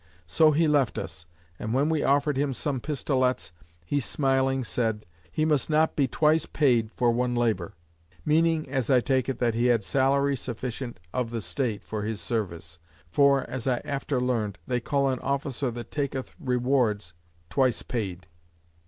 So he left us; and when we offered him some pistolets, he smiling said, "He must not be twice paid for one labour:" meaning (as I take it) that he had salary sufficient of the State for his service. For (as I after learned) they call an officer that taketh rewards, "twice paid."